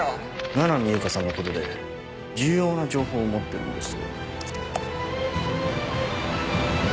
七海悠香さんのことで重要な情報を持ってるんです。